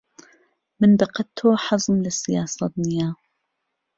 من بەقەد تۆ حەزم لە سیاسەت نییە.